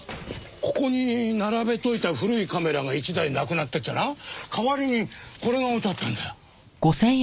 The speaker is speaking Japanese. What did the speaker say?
ここに並べといた古いカメラが１台なくなっててな代わりにこれが置いてあったんだよ。